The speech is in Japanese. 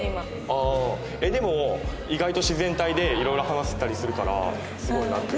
ああでも意外と自然体で色々話せたりするからすごいなって。